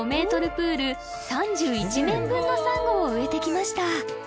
プール３１面分のサンゴを植えてきました